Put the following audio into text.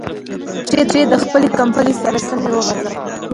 پښې د خپلې کمپلې سره سمې وغځوئ.